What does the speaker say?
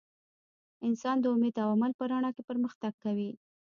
انسان د امید او عمل په رڼا کې پرمختګ کوي.